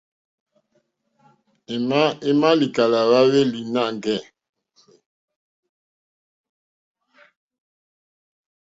I ma likala hwa hweli nangɛ eeh?